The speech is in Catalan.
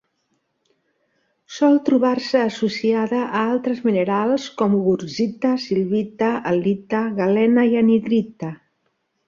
Sol trobar-se associada a altres minerals com: wurtzita, silvita, halita, galena i anhidrita.